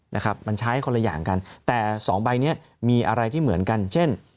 มันใช้คนละอย่างกันแต่สองใบนี้มีอะไรที่เหมือนกัน